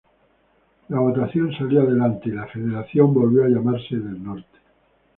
La votación salió adelante y la federación volvió a llamarse del Norte.